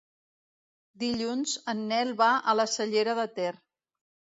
Dilluns en Nel va a la Cellera de Ter.